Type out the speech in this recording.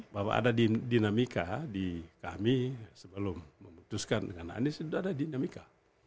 bahwa ada dinamika di kami sebelum memutuskan dengan anies sudah ada dinamika